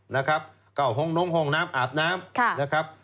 นะครับเข้าห้องน้องห้องน้ำอาบน้ำนะครับ